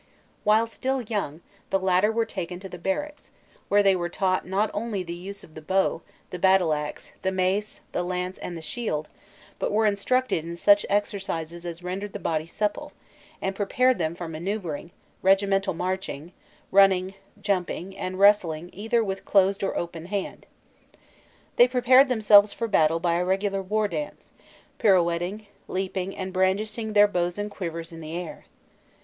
While still young the latter were taken to the barracks, where they were taught not only the use of the bow, the battle axe, the mace, the lance, and the shield, but were all instructed in such exercises as rendered the body supple, and prepared them for manoeuvring, regimental marching, running, jumping, and wrestling either with closed or open hand. They prepared themselves for battle by a regular war dance, pirouetting, leaping, and brandishing their bows and quivers in the air.